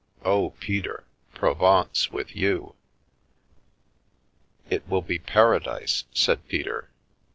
Oh, Peter — Provence with you !" "It will be Paradise," said Peter.